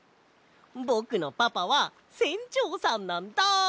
ぼくのパパはせんちょうさんなんだ！